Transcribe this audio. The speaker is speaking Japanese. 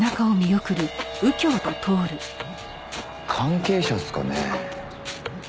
関係者っすかね？